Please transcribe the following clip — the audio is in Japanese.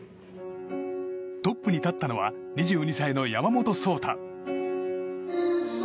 トップに立ったのは２２歳の山本草太。